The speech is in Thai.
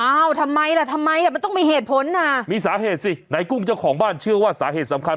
ทำไมล่ะทำไมอ่ะมันต้องมีเหตุผลอ่ะมีสาเหตุสิไหนกุ้งเจ้าของบ้านเชื่อว่าสาเหตุสำคัญ